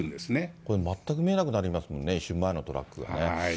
これ、全く見えなくなりますもんね、一瞬、前のトラックがね。